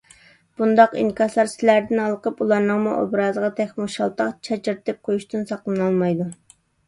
بۇنداق ئىنكاسلار سىلەردىن ھالقىپ ئۇلارنىڭمۇ ئوبرازىغا تېخىمۇ شالتاق چاچرىتىپ قويۇشتىن ساقلىنالمايدۇ.